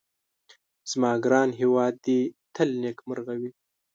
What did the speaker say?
زما ګران هيواد دي تل نيکمرغه وي